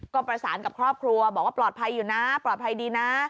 ก็ประสานกับครอบครัวบอกว่าปลอดภัยอยู่นะปลอดภัยดีนะ